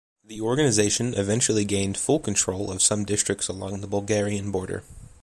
The organisation eventually gained full control of some districts along the Bulgarian border.